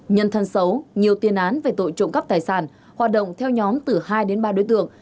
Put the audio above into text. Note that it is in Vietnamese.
nhân thân xấu nhiều tiên án về tội trộm cắp tài sản hoạt động theo nhóm từ hai đến ba đối tượng